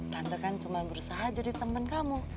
tanda kan cuma berusaha jadi teman kamu